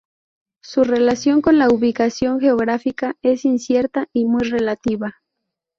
Su relación con la ubicación geográfica es incierta y muy relativa.